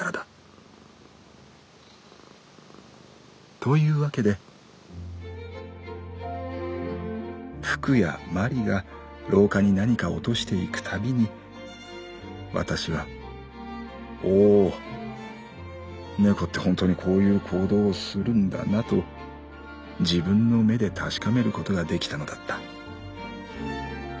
「というわけでふくやまりが廊下に何か落としていくたびにわたしは『おお猫って本当にこういう行動をするんだな』と自分の目で確かめることができたのだった。